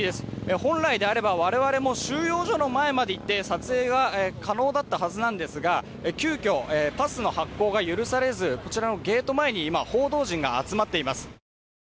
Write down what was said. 本来であれば我々も収容所の前まで行って撮影が可能だったはずなんですが、急きょ、パスの発行が許されず、こちらのゲート前に今、報道陣が集まっています。